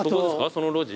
その路地？